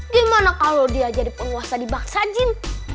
gimana kalo dia jadi penguasa di bangsa jin